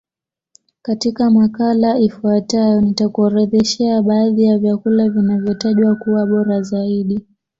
Katika makala ifuatayo nitakuorodhoshea baadhi ya vyakula vinavyotajwa kuwa bora zaidi